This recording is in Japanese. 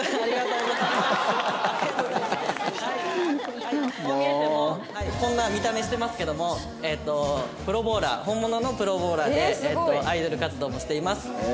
こう見えてもこんな見た目してますけどもえっとプロボウラー本物のプロボウラーでアイドル活動もしています。